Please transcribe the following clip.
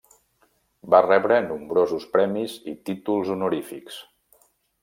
Va rebre nombrosos premis i títols honorífics.